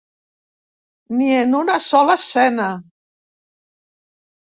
Ni en una sola escena.